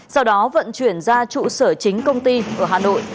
sau đó vận chuyển ra trụ sở chính công ty ở hà nội